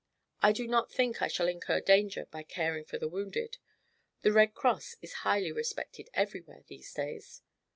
I do not think I shall incur danger by caring for the wounded; the Red Cross is highly respected everywhere, these days."